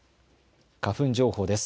花粉情報です。